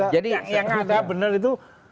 jadi yang ada benar itu